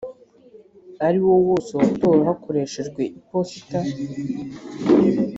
ariwo wose watowe hakoreshejwe iposita